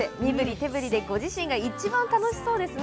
手ぶりでご自身がいちばん楽しそうですね。